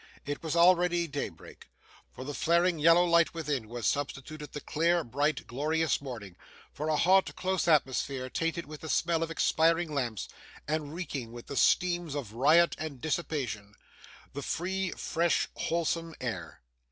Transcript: It was already daybreak. For the flaring yellow light within, was substituted the clear, bright, glorious morning; for a hot, close atmosphere, tainted with the smell of expiring lamps, and reeking with the steams of riot and dissipation, the free, fresh, wholesome air.